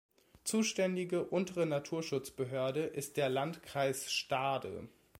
Zuständige untere Naturschutzbehörde ist der Landkreis Stade.